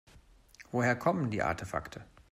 Woher kommen die Artefakte?